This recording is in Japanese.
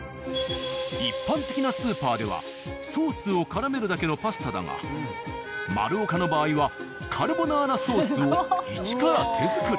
一般的なスーパーではソースをからめるだけのパスタだが「まるおか」の場合はカルボナーラソースを一から手作り。